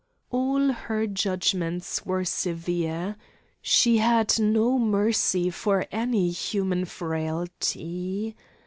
All her judgments were severe. She had no mercy for any human frailty.